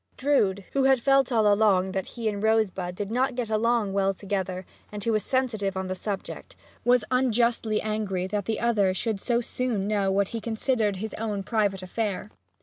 Drood, who had felt all along that he and Rosebud did not get along well together and who was sensitive on the subject, was unjustly angry that the other should so soon know what he considered his own private affair.